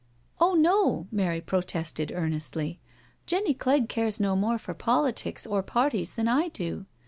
"Oh no "— Mary protested earnestly —" Jenny Clegg cares no more for politics or parties than I do.